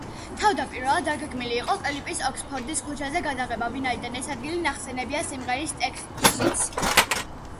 თავდაპირველად დაგეგმილი იყო კლიპის ოქსფორდის ქუჩაზე გადაღება, ვინაიდან ეს ადგილი ნახსენებია სიმღერის ტექსტში.